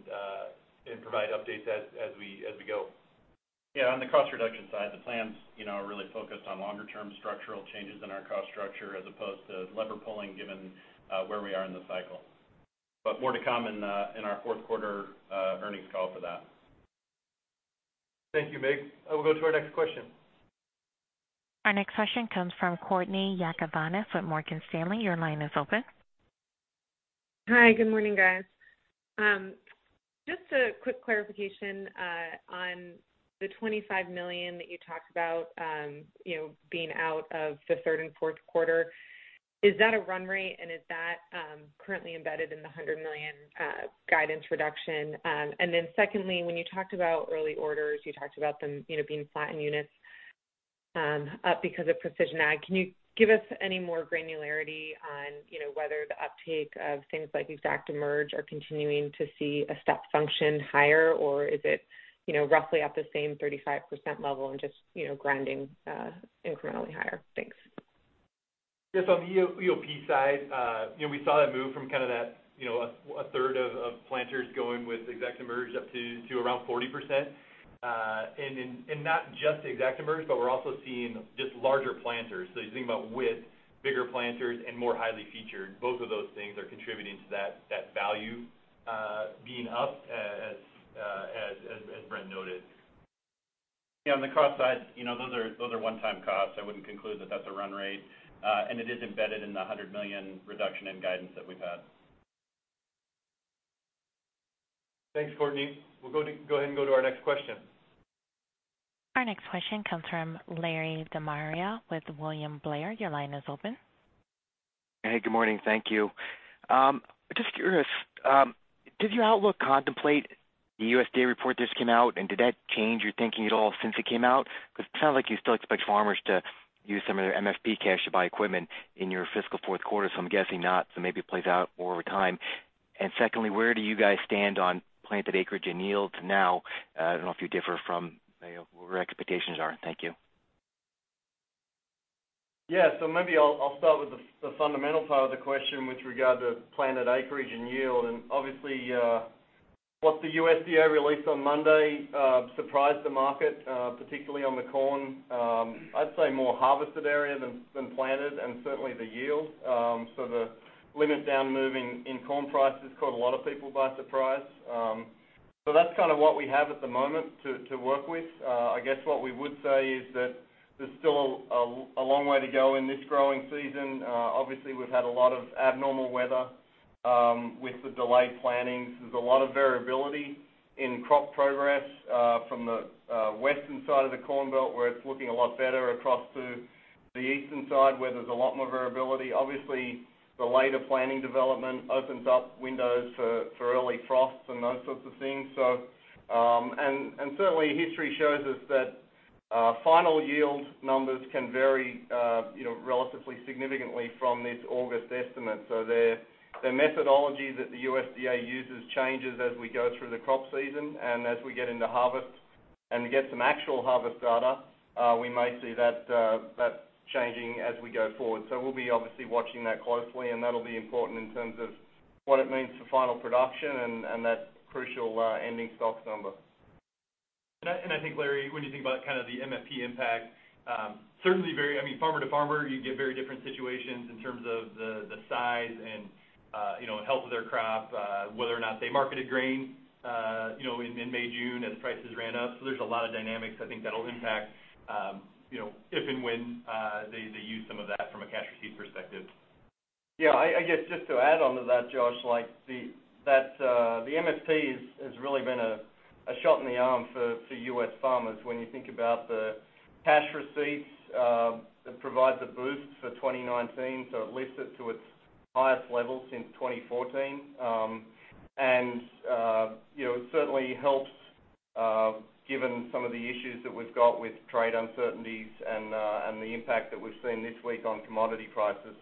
provide updates as we go. Yeah, on the cost reduction side, the plans are really focused on longer-term structural changes in our cost structure as opposed to lever pulling given where we are in the cycle. More to come in our fourth quarter earnings call for that. Thank you, Mig. We'll go to our next question. Our next question comes from Courtney Yakavonis with Morgan Stanley. Your line is open. Hi. Good morning, guys. Just a quick clarification on the $25 million that you talked about being out of the third and fourth quarter. Is that a run rate? Is that currently embedded in the $100 million guidance reduction? Secondly, when you talked about early orders, you talked about them being flat in units up because of Precision Ag. Can you give us any more granularity on whether the uptake of things like ExactEmerge are continuing to see a step function higher, or is it roughly at the same 35% level and just grinding incrementally higher? Thanks. Yes, on the EOP side we saw that move from kind of that a third of planters going with ExactEmerge up to around 40%. Not just ExactEmerge, but we're also seeing just larger planters. You think about width, bigger planters and more highly featured. Both of those things are contributing to that value being up as Brent noted. Yeah, on the cost side, those are one-time costs. I wouldn't conclude that that's a run rate. It is embedded in the $100 million reduction in guidance that we've had. Thanks, Courtney. We'll go ahead and go to our next question. Our next question comes from Larry DeMaria with William Blair. Your line is open. Hey, good morning. Thank you. Just curious, did your outlook contemplate the USDA report that just came out, and did that change your thinking at all since it came out? It sounds like you still expect farmers to use some of their MFP cash to buy equipment in your fiscal fourth quarter, so I'm guessing not. Maybe it plays out more over time. Secondly, where do you guys stand on planted acreage and yields now? I don't know if you differ from what your expectations are. Thank you. Yeah. Maybe I'll start with the fundamental part of the question with regard to planted acreage and yield. Obviously, what the USDA released on Monday surprised the market, particularly on the corn. I'd say more harvested area than planted and certainly the yield. The limit down move in corn prices caught a lot of people by surprise. That's kind of what we have at the moment to work with. I guess what we would say is that there's still a long way to go in this growing season. Obviously, we've had a lot of abnormal weather with the delayed plantings. There's a lot of variability in crop progress from the western side of the Corn Belt, where it's looking a lot better across to the eastern side, where there's a lot more variability. Obviously, the later planting development opens up windows for early frost and those sorts of things. Certainly, history shows us that final yield numbers can vary relatively significantly from this August estimate. The methodology that the USDA uses changes as we go through the crop season and as we get into harvest and get some actual harvest data, we may see that changing as we go forward. We'll be obviously watching that closely, and that'll be important in terms of what it means for final production and that crucial ending stocks number. I think, Larry, when you think about kind of the MFP impact, certainly very, farmer to farmer, you get very different situations in terms of the size and health of their crop, whether or not they marketed grain in mid-May, June as prices ran up. There's a lot of dynamics I think that'll impact if and when they use some of that from a cash receipt perspective. I guess just to add onto that, Josh, the MFP has really been a shot in the arm for U.S. farmers when you think about the cash receipts that provide the boost for 2019. It lifts it to its highest level since 2014. It certainly helps given some of the issues that we've got with trade uncertainties and the impact that we've seen this week on commodity prices.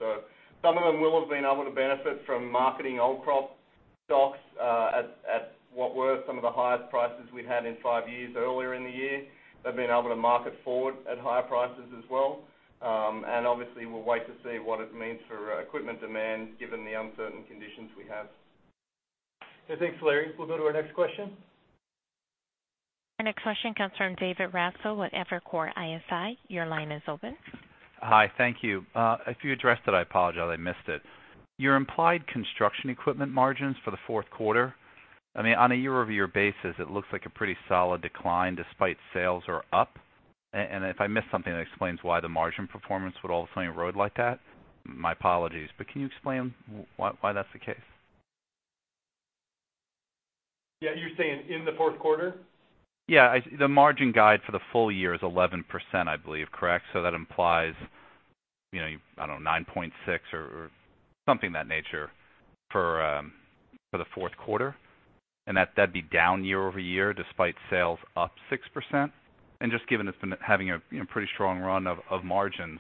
Some of them will have been able to benefit from marketing old crop stocks at what were some of the highest prices we've had in five years earlier in the year. They've been able to market forward at higher prices as well. Obviously, we'll wait to see what it means for equipment demand given the uncertain conditions we have. Thanks, Larry. We'll go to our next question. Our next question comes from David Raso with Evercore ISI. Your line is open. Hi, thank you. If you addressed it, I apologize, I missed it. Your implied construction equipment margins for the fourth quarter, on a year-over-year basis, it looks like a pretty solid decline despite sales are up. If I missed something that explains why the margin performance would all of a sudden erode like that, my apologies. Can you explain why that's the case? Yeah. You're saying in the fourth quarter? Yeah. The margin guide for the full year is 11%, I believe. Correct? That implies, I don't know, 9.6% or something of that nature for the fourth quarter. That'd be down year-over-year despite sales up 6%. Just given it's been having a pretty strong run of margins,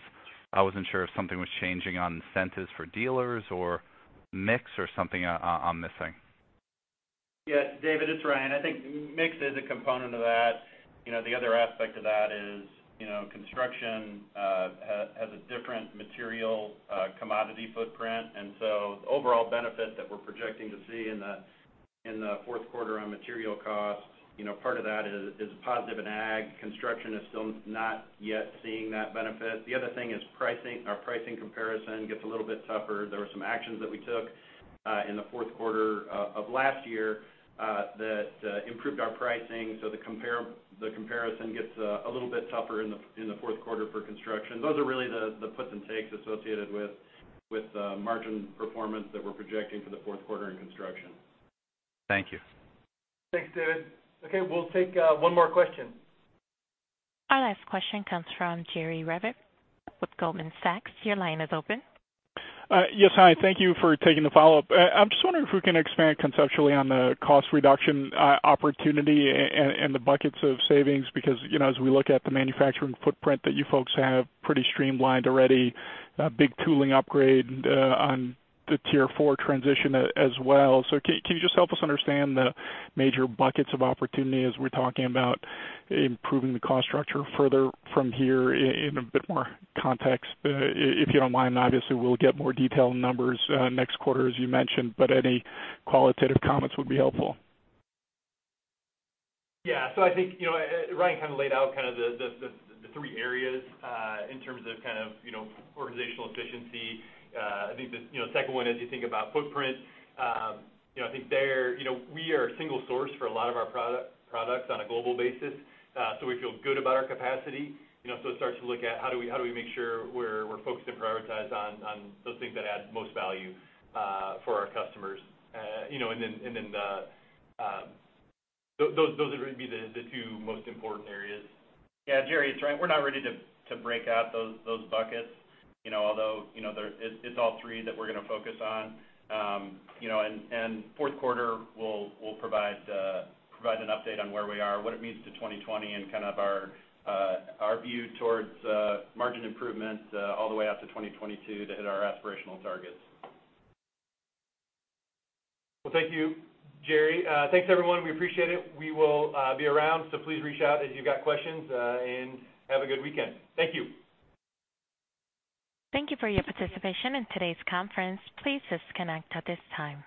I wasn't sure if something was changing on incentives for dealers or mix or something I'm missing. David, it's Ryan. I think mix is a component of that. The other aspect of that is construction has a different material commodity footprint. The overall benefit that we're projecting to see in the fourth quarter on material costs, part of that is a positive in ag. Construction is still not yet seeing that benefit. The other thing is our pricing comparison gets a little bit tougher. There were some actions that we took in the fourth quarter of last year that improved our pricing. The comparison gets a little bit tougher in the fourth quarter for construction. Those are really the puts and takes associated with the margin performance that we're projecting for the fourth quarter in construction. Thank you. Thanks, David. Okay, we'll take one more question. Our last question comes from Jerry Revich with Goldman Sachs. Your line is open. Hi, thank you for taking the follow-up. I'm just wondering if we can expand conceptually on the cost reduction opportunity and the buckets of savings, because as we look at the manufacturing footprint that you folks have pretty streamlined already, a big tooling upgrade on the Tier 4 transition as well. Can you just help us understand the major buckets of opportunity as we're talking about improving the cost structure further from here in a bit more context? If you don't mind, obviously, we'll get more detailed numbers next quarter, as you mentioned, but any qualitative comments would be helpful. I think Ryan kind of laid out the three areas in terms of organizational efficiency. I think the second one, as you think about footprint, I think there, we are a single source for a lot of our products on a global basis. We feel good about our capacity. It starts to look at how do we make sure we're focused and prioritize on those things that add most value for our customers. Those would be the two most important areas. Yeah, Jerry, it's Ryan. We're not ready to break out those buckets. Although, it's all three that we're going to focus on. Fourth quarter, we'll provide an update on where we are, what it means to 2020 and kind of our view towards margin improvements all the way out to 2022 to hit our aspirational targets. Well, thank you, Jerry. Thanks, everyone. We appreciate it. We will be around, so please reach out if you've got questions, and have a good weekend. Thank you. Thank you for your participation in today's conference. Please disconnect at this time.